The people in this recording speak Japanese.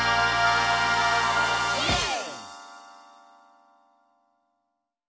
イエーイ！